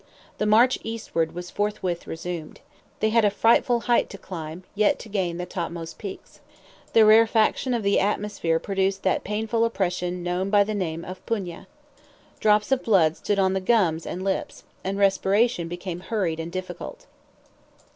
The march eastward was forthwith resumed. They had a frightful height to climb yet to gain the topmost peaks. The rarefaction of the atmosphere produced that painful oppression known by the name of PUNA. Drops of blood stood on the gums and lips, and respiration became hurried and difficult.